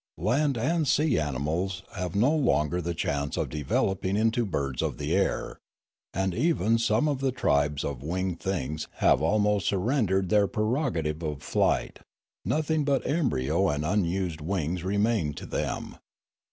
Land and sea animals have no longer the chance of developing into birds of the air; and even some of the tribes of winged things have almost surrendered their prerogative of flight; nothing but embryo and unused wings remain to them.